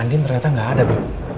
andin ternyata gak ada beb